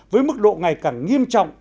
với mức độ ngày càng nghiêm trọng